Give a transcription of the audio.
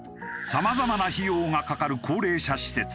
さまざまな費用がかかる高齢者施設。